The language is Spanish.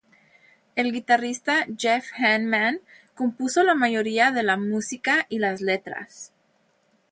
El guitarrista Jeff Hanneman compuso la mayoría de la música y las letras.